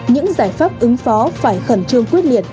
những giải pháp ứng phó phải khẩn trương quyết liệt